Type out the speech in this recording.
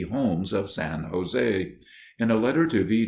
Holmes of San Jose. In a letter to J.